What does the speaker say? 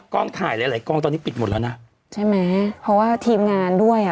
กล้องถ่ายหลายหลายกล้องตอนนี้ปิดหมดแล้วนะใช่ไหมเพราะว่าทีมงานด้วยอ่ะ